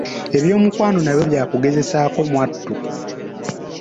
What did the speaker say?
Ebyomukwano nabyo byakugezaako mwattu.